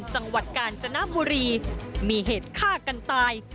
จังหวัดกาญจนบุรีมีเหตุฆ่ากันตาย